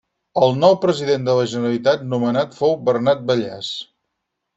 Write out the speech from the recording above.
El nou president de la Generalitat nomenat fou Bernat Vallès.